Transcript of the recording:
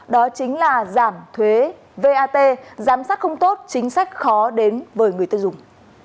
đó chính là giảm thuế vat giám sát không tốt chính sách khó đến với người tiêu dùng